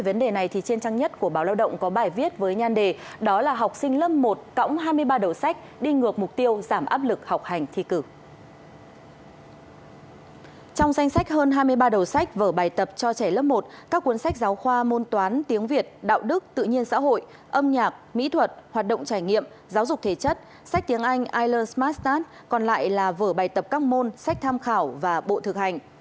bài tập cho trẻ lớp một các cuốn sách giáo khoa môn toán tiếng việt đạo đức tự nhiên xã hội âm nhạc mỹ thuật hoạt động trải nghiệm giáo dục thể chất sách tiếng anh island smart start còn lại là vở bài tập các môn sách tham khảo và bộ thực hành